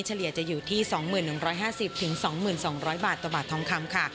เฉลี่ยจะอยู่ที่๒๑๕๐๒๒๐๐บาทต่อบาททองคำค่ะ